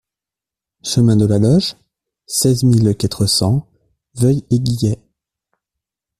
Chemin de la Loge, seize mille quatre cents Vœuil-et-Giget